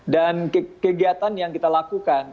dan kegiatan yang kita lakukan